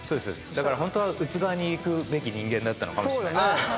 だからホントは撃つ側に行くべき人間だったのかもしれないです。